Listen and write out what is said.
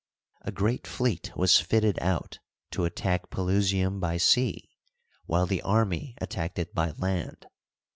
A great fleet was fitted out to attack Pelusium by sea, while the army at tacked it by land.